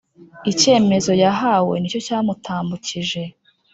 Icyemezo yahawe nicyo cyamutambukije